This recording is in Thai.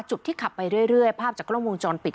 จุดที่ขับไปเรื่อยภาพจากกล้องวงจรปิด